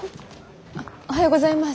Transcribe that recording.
おはようございます。